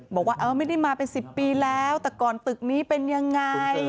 บอกว่าเออไม่ได้มาเป็น๑๐ปีแล้วแต่ก่อนตึกนี้เป็นยังไง